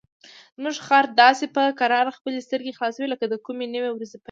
زموږ خر داسې په کراره خپلې سترګې خلاصوي لکه د کومې نوې ورځې پیل.